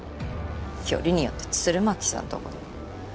よりによって鶴巻さんとこに？